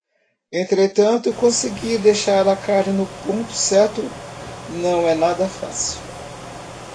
Entretanto, conseguir deixar a carne no ponto certo não é nada fácil